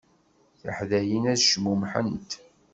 Tiḥdayin ad cmumḥent.